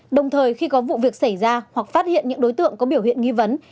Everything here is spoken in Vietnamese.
đồng thời khi có vụ việc xảy ra hoặc phát hiện những đối tượng có biểu hiện nghi vấn